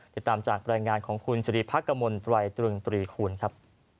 ติดตามจากบรรยายงานของคุณจิริภักษ์กระมวลไตรตรึงตรีคูณครับ